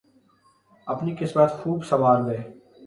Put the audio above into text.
اپنی قسمت خوب سنوار گئے۔